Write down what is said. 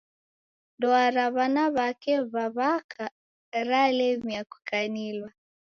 Ndoa ra w'ananake w'a w'aka ramerie kukanilwa.